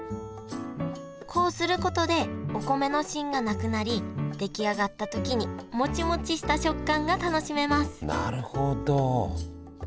こうすることでお米の芯がなくなり出来上がった時にモチモチした食感が楽しめますなるほど！